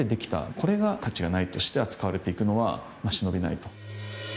これが価値がないとして扱われて行くのは忍びないと。